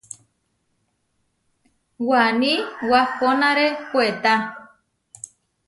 Waní wahónare puetá.